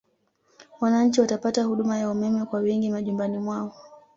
Wananchi watapata huduma ya umeme kwa wingi majumbani mwao